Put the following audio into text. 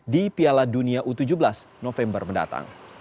di piala dunia u tujuh belas november mendatang